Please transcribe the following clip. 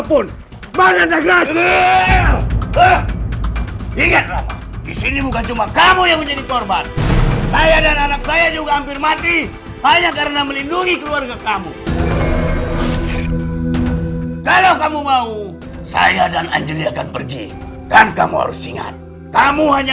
keluarga kamu kalau kamu mau saya dan anjali akan pergi dan kamu harus ingat kamu hanya